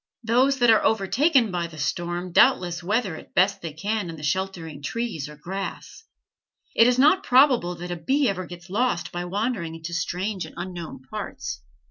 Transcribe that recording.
Those that are overtaken by the storm doubtless weather it as best they can in the sheltering trees or grass. It is not probable that a bee ever gets lost by wandering into strange and unknown parts.